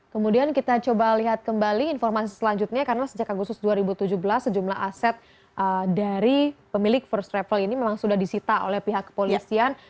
kemudian kita coba lihat kembali informasi selanjutnya karena sejak agustus dua ribu tujuh belas sejumlah aset dari pemilik first travel ini memang sudah disita oleh pihak kepolisian